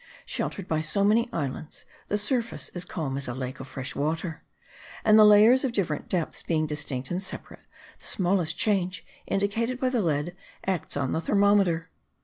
Sheltered by so many islands, the surface is calm as a lake of fresh water, and the layers of different depths being distinct and separate, the smallest change indicated by the lead acts on the thermometer.